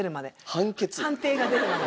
判決？判定が出るまで。